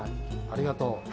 ありがとう。